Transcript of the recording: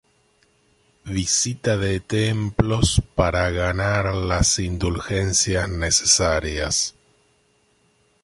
Visita de templos para ganar las indulgencias necesarias.